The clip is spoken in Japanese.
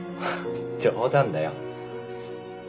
冗談だよ。